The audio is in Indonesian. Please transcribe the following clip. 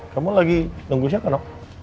kamu lagi nunggu siapa nok